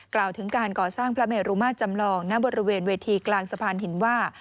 กล่าวถึงการก่อสร้างพระเมรุมาตรจำลองณบริเวณเวทีกลางสะพานหินว่า